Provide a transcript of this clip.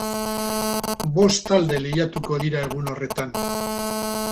Bost talde lehiatuko dira egun horretan.